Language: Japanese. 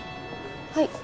はい。